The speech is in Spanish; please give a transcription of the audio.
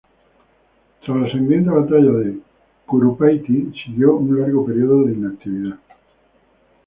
Tras la sangrienta batalla de Curupayty siguió un largo período de inactividad.